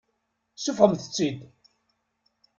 Seffɣemt-tt-id.